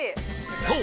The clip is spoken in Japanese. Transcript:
そう。